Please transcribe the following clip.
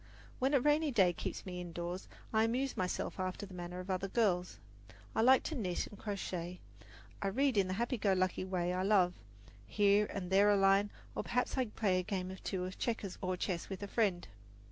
When a rainy day keeps me indoors, I amuse myself after the manner of other girls. I like to knit and crochet; I read in the happy go lucky way I love, here and there a line; or perhaps I play a game or two of checkers or chess with a friend.